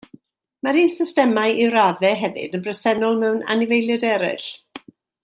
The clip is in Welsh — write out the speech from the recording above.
Mae'r un systemau i raddau hefyd yn bresennol mewn anifeiliaid eraill.